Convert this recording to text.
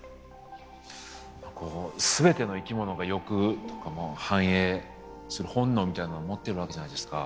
こう全ての生き物が欲とか繁栄する本能みたいなのを持ってるわけじゃないですか。